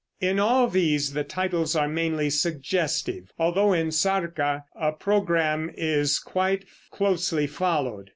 In all these the titles are mainly suggestive, although in "Sarka" a programme is quite closely followed.